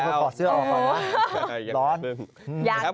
พอดเสื้อออกค่ะว่าร้อน